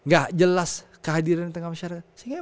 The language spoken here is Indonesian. gak jelas kehadiran di tengah masyarakat